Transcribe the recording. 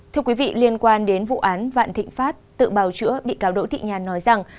thưa quý vị liên quan đến vụ án vạn thịnh pháp tự bào chữa bị cáo đỗ thị nhàn nói rằng